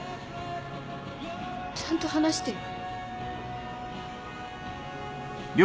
ちゃんと話してよ。